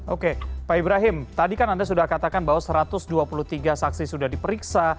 oke pak ibrahim tadi kan anda sudah katakan bahwa satu ratus dua puluh tiga saksi sudah diperiksa